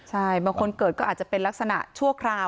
ใช่บางคนเกิดก็อาจจะเป็นลักษณะชั่วคราว